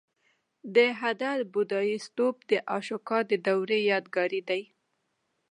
د هده د بودایي ستوپ د اشوکا د دورې یادګار دی